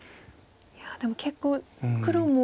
いやでも結構黒も。